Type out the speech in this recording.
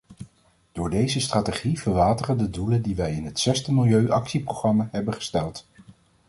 Door deze strategie verwateren de doelen die wij in het zesde milieuactieprogramma hebben gesteld.